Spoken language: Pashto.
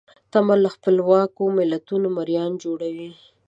تمه له خپلواکو ملتونو مریان جوړوي.